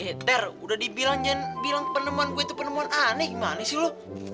eh ter udah dibilang jangan bilang penemuan gue itu penemuan aneh gimana sih lo